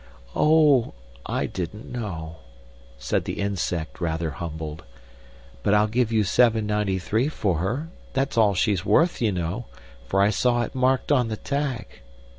"Oh, I didn't know," said the insect, rather humbled. "But I'll give you seven ninety three for her. That's all she's worth, you know; for I saw it marked on the tag."